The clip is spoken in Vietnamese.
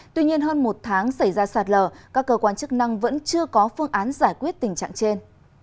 tuy nhiên hơn một tháng xảy ra sạt lở các cơ quan chức năng vẫn chưa có phương án giải quyết tình trạng trên